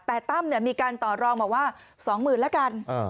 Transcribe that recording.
แต่ตั้มมีการต่อรองบอกว่า๒๐๐๐แล้วกัน